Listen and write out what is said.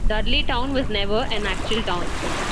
Dudleytown was never an actual town.